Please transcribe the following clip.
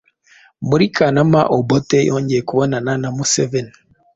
Muri Kanama Obote yongeye kubonana na Museveni